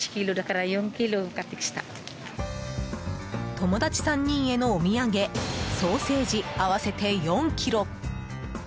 友達３人へのお土産ソーセージ、合わせて４ｋｇ。